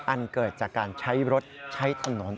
อันเกิดจากการใช้รถใช้ถนน